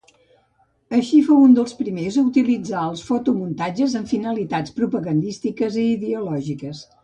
Així, fou un dels primers a utilitzar els fotomuntatges amb finalitats propagandístiques i ideològiques.